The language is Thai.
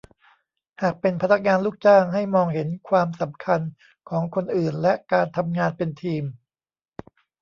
หากเป็นพนักงานลูกจ้าง ให้มองเห็นความสำคัญของคนอื่นและการทำงานเป็นทีม